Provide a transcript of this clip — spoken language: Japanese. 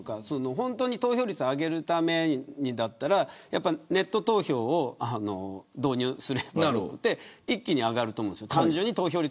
本当に投票率上げるためだったらネット投票を導入すれば一気に上がると思うんですよ。